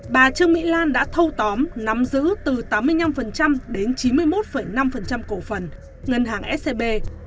bà trương mỹ lan đã thâu tóm nắm giữ từ tám mươi năm đến chín mươi một năm cổ phần ngân hàng scb